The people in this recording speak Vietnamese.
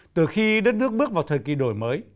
từ khi đất nước bước vào thời kỳ đổi mới